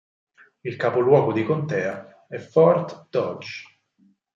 Il capoluogo di contea è Fort Dodge.